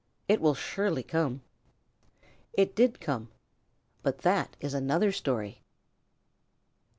It will surely come." It did come. But that is another story.